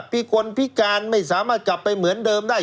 พิกลพิการไม่สามารถกลับไปเหมือนเดิมได้